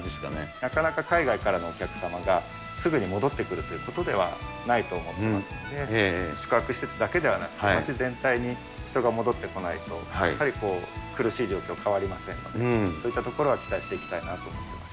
なかなか海外からのお客様が、すぐに戻ってくるということではないと思っていますので、宿泊施設だけではなくて、町全体に人が戻ってこないと、やっぱりこう、苦しい状況、変わりませんので、そういったところは期待していきたいなと思っております。